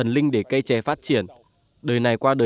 làm chè vất vả lắm